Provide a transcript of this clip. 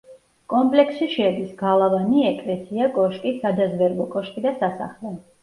კომპლექსში შედის: გალავანი, ეკლესია, კოშკი, სადაზვერვო კოშკი და სასახლე.